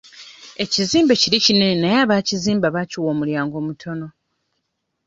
Ekizimbe kiri kinene naye abaakizimba baakiwa omulyango mutono.